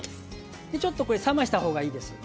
ちょっと冷ました方がいいです。